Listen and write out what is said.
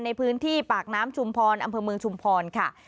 ในพื้นที่ปากน้ำชุมพรอำเภอเมืองชุมพรค่ะ